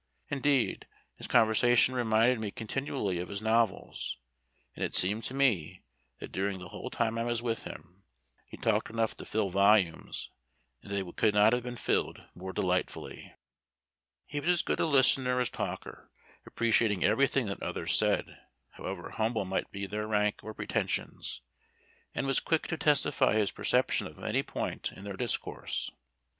Indeed, his conversation reminded me continually of his novels; and it seemed to me, that during the whole time I was with him., he talked enough to fill volumes, and that they could not have been filled more delightfully. He was as good a listener as talker, appreciating everything that others said, however humble might be their rank or pretensions, and was quick to testify his perception of any point in their discourse.